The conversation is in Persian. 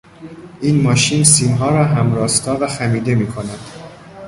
این ماشین سیمها را هم راستا و خمیده میکند.